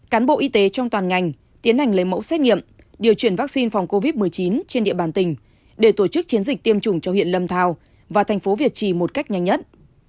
cán bộ y tế trong toàn ngành tiến hành lấy mẫu xét nghiệm điều chuyển vaccine phòng covid một mươi chín trên địa bàn tỉnh để tổ chức chiến dịch tiêm chủng cho huyện lâm thao và thành phố việt trì một cách nhanh nhất